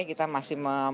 kita masih mengembangkan